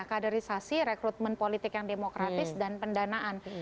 kaderisasi rekrutmen politik yang demokratis dan pendanaan